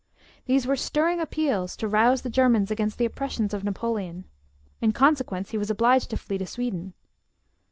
These were stirring appeals to rouse the Germans against the oppressions of Napoleon. In consequence he was obliged to flee to Sweden.